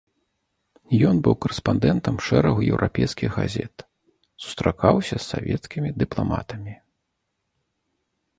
Ён быў карэспандэнтам шэрагу еўрапейскіх газет, сустракаўся з савецкімі дыпламатамі.